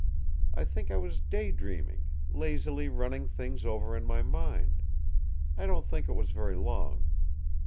I think I was day dreaming, lazily running things over in my mind. I don't think it was very long.